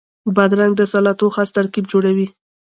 بادرنګ د سلاتو خاص ترکیب جوړوي.